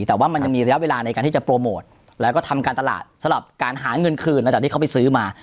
แต่ว่ามันยังมีระยะเวลาในการที่จะโปรโมทแล้วก็ทำการตลาดสำหรับการหาเงินคืนหลังจากที่เขาไปซื้อมา